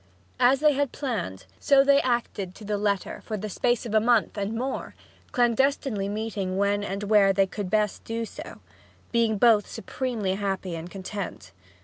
As they had planned, so they acted to the letter for the space of a month and more, clandestinely meeting when and where they best could do so; both being supremely happy and content.